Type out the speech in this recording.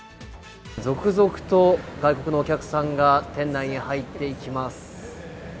続々と外国のお客さんが店内へ入っていきます。